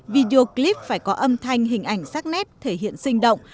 video clip phải có âm thanh hình ảnh sắc nét thể hiện sinh động